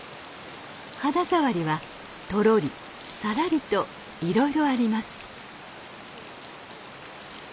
肌触りはとろりさらりといろいろあります。